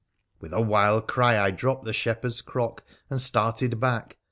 With a wild cry I dropped the shepherd's crock and started back.